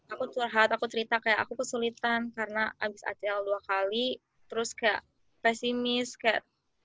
aku curhat aku cerita kayak aku kesulitan karena habis atl dua kali terus kayak pesimis kayak